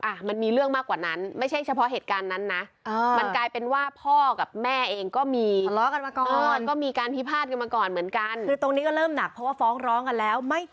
อ่ะมันมีเรื่องมากกว่านั้นไม่ใช่เฉพาะเหตุการณ์นั้นนะ